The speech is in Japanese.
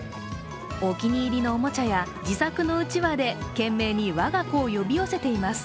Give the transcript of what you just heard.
お気に入りのおもちゃや自作のうちわで懸命に我が子を呼び寄せています。